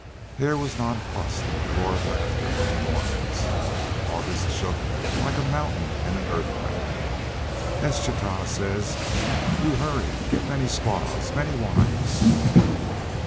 Hare was nonplussed at the roar of laughter from the Mormons. August shook like a mountain in an earthquake. "Eschtah says, 'you hurry, get many squaws many wives.'"